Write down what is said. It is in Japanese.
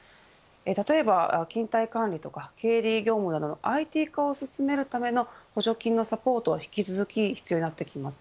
例えば勤怠管理とか経理業務などのＩＴ化を進めるための補助金のサポートは引き続き必要になってきます。